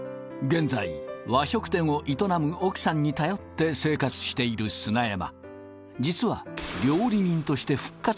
現在和食店を営む奥さんに頼って生活している砂山